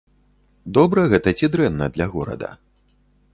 Добра гэта ці дрэнна для горада?